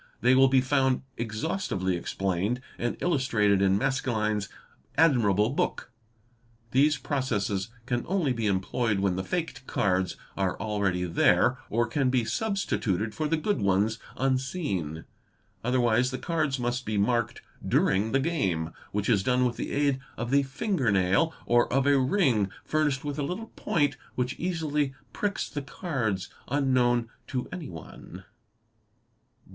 They will be found exhaus tively explained and illustrated in Maskelyne's admirable book. These processes can only be employed when the faked cards are already there, or can be substituted for the good ones unseen; otherwise the cards must be marked during the game, which is done with the aid of the finger nail or of a ring furnished with a little point which easily pricks the cards unknown to anyone.